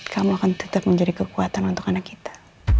kamu akan tetap menjadi kekuatan untuk anak kita